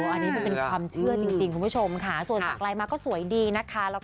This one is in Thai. อันนี้มันเป็นความเชื่อจริงคุณผู้ชมค่ะส่วนสักไลน์มาก็สวยดีนะคะ